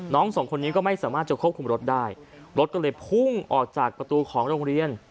สองคนนี้ก็ไม่สามารถจะควบคุมรถได้รถก็เลยพุ่งออกจากประตูของโรงเรียน